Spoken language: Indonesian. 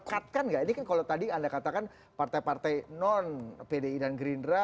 itu bisa jadi variable yang merekatkan nggak ini kan kalau tadi anda katakan partai partai non pdi dan gerindra